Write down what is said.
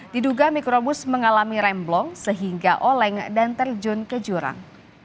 diduga mikrobus mengalami remblong sehingga oleng dan terjun ke jurang